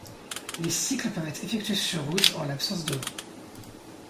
Les cycles peuvent être effectués sur route, en l'absence de vent.